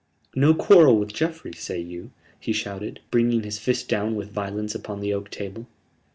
"No quarrel with Geoffrey, say you?" he shouted, bringing his fist down with violence upon the oak table.